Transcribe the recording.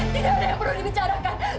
tidak ada yang perlu dibicarakan